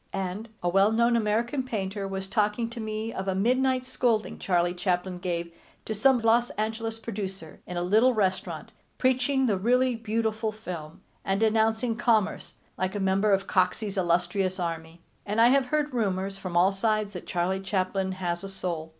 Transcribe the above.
And a well known American painter was talking to me of a midnight scolding Charlie Chaplin gave to some Los Angeles producer, in a little restaurant, preaching the really beautiful film, and denouncing commerce like a member of Coxey's illustrious army. And I have heard rumors from all sides that Charlie Chaplin has a soul.